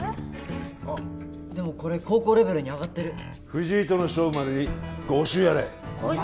あっでもこれ高校レベルに上がってる藤井との勝負までに５周やれ５周！？